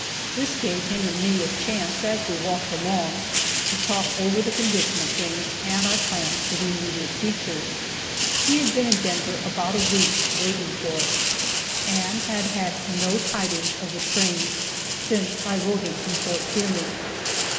This gave him and me a chance, as we walked along, to talk over the condition of things and our plans for the immediate future. He had been in Denver over a week waiting for us and had had no tidings of the train since I wrote him from Fort Kearney.